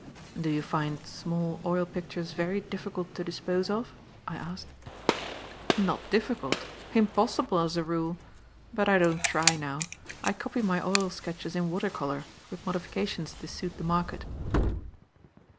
"Do you find small oil pictures very difficult to dispose of?" I asked. "Not difficult. Impossible, as a rule. But I don't try now. I copy my oil sketches in water colour, with modifications to suit the market."